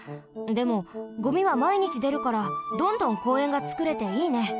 でもゴミはまいにちでるからどんどんこうえんがつくれていいね。